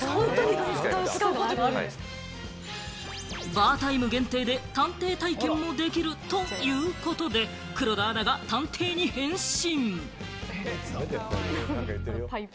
バータイム限定で探偵体験もできるということで、黒田アナが探偵に変身。